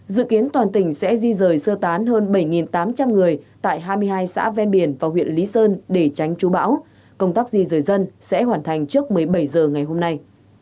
dự kiến toàn tỉnh sẽ di rời sơ tán hơn bảy tám trăm linh người tại hai mươi hai xã ven biển và huyện lý sơn để tránh chú bão công tác di rời dân sẽ hoàn thành trước một mươi bảy h ngày hôm nay